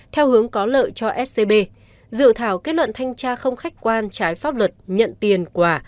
theo hướng có lợi cho scb dự thảo kết luận thanh tra không khách quan trái pháp luật nhận tiền quả